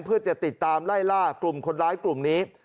เพื่อจะติดตามไล่ล่ากลุ่มคนร้ายกลุ่มนี้